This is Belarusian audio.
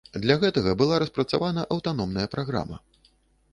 Для гэтага была распрацавана аўтаномная праграма.